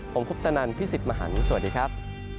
ผมคุปตะนันพี่สิทธิ์มหันฯสวัสดีครับ